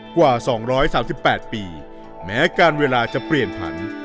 กว่า๒๓๘ปีแม้การเวลาจะเปลี่ยนผัน